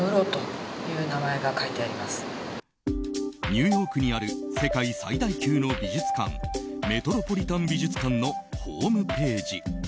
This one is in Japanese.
ニューヨークにある世界最大級の美術館メトロポリタン美術館のホームページ。